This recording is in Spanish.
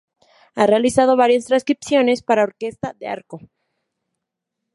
Ha realizado varias transcripciones para Orquesta de Arco.